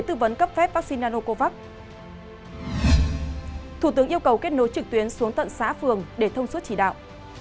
thủ tướng yêu cầu kết nối trực tuyến xuống tận xã phường để thông suất chỉ đạo